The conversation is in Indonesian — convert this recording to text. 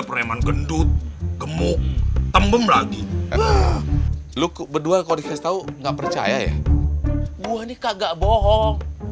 kreman gendut gemuk tembem lagi lu berdua kau dikasih tahu nggak percaya ya gua nih kagak bohong